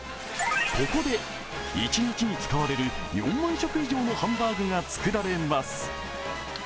ここで一日に使われる４万食以上のハンバーグが作られます。